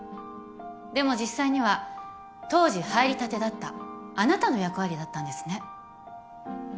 でも実際には当時入りたてだったあなたの役割だったんですね。